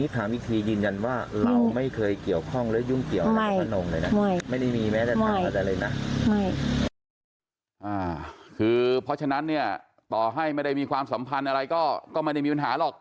คือเพราะฉะนั้นเนี่ยต่อให้ไม่ได้มีความสัมพันธ์อะไรก็ไม่ได้มีปัญหาหรอก